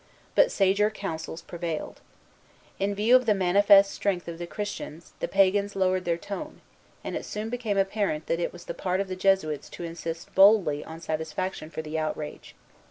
But sager counsels prevailed. In view of the manifest strength of the Christians, the pagans lowered their tone; and it soon became apparent that it was the part of the Jesuits to insist boldly on satisfaction for the outrage.